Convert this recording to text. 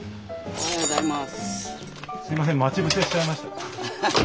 おはようございます。